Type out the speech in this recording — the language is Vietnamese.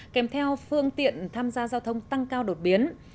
kèm theo phương tiện tham gia giao thông tăng cao đột biến